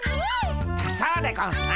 そうでゴンスな。